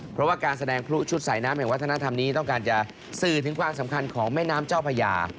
เพราะว่าการแสดงพลุชุดสายน้ำแห่งวัฒนธรรมนี้ต้องการจะสื่อถึงความสำคัญของแม่น้ำเจ้าพญา